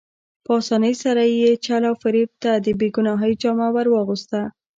په اسانۍ سره یې چل او فریب ته د بې ګناهۍ جامه ور اغوسته.